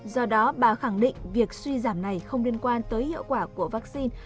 do đó bà khẳng định việc suy giảm này không liên quan tới hiệu quả của vaccine